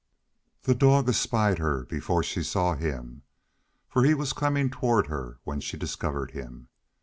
The dog espied her before she saw him, for he was coming toward her when she discovered him.